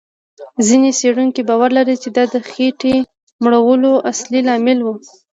ځینې څېړونکي باور لري، چې دا د خېټې مړولو اصلي لامل و.